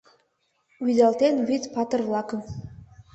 Вӱдалтен вӱд патыр-влакым